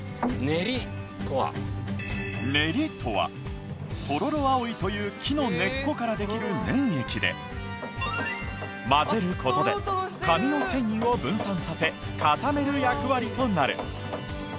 ネリとはトロロアオイという木の根っこからできる粘液で混ぜる事で紙の繊維を分散させ固める役割となる。